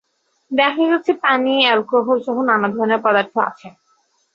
দেখা গেছে, পানি, অ্যালকোহলসহ নানা ধরনের পদার্থ আছে।